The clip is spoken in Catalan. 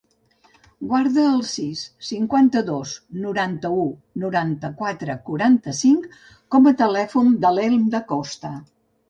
Guarda el sis, cinquanta-dos, noranta-u, noranta-quatre, quaranta-cinc com a telèfon de l'Elm Dacosta.